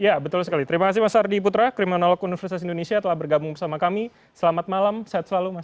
ya betul sekali terima kasih mas ardi putra kriminolog universitas indonesia telah bergabung bersama kami selamat malam sehat selalu mas